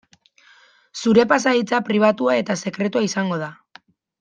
Zure pasahitza pribatua eta sekretua izango da.